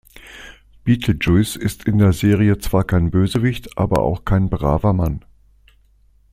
Beetlejuice ist in der Serie zwar kein Bösewicht, aber auch kein braver Mann.